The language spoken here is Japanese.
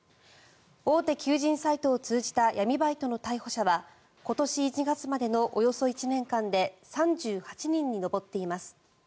大手求人サイトを通じた闇バイトの逮捕者は今年１月までのおよそ１年間で３８人に上っています。